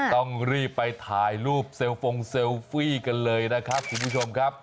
ต้องรีบไปถ่ายรูปเซลฟงเซลฟี่กันเลยนะครับคุณผู้ชมครับ